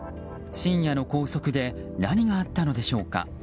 深夜の高速で何があったのでしょうか。